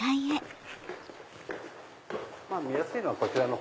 見やすいのはこちらの方。